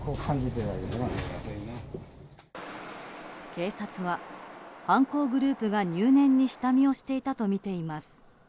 警察は、犯行グループが入念に下見をしていたとみています。